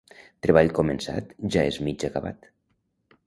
Treball començat ja és mig acabat.